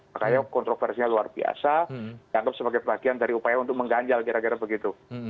makanya kontroversinya luar biasa dianggap sebagai bagian dari upaya untuk mengganjal kira kira begitu